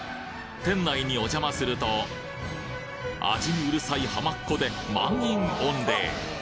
店内にお邪魔すると味にうるさいハマっ子で満員御礼！